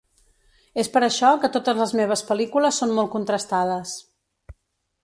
És per això que totes les meves pel·lícules són molt contrastades.